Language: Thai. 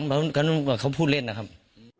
ก็เป็นครั้งคนพูดเล่นน่ะครับ